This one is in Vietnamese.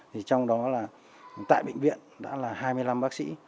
thì trong đó là tại bệnh viện đã là hai mươi năm bác sĩ